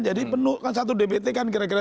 jadi penuh kan satu dbt kan kira kira tiga ratus